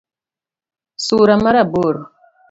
Sura mar aboro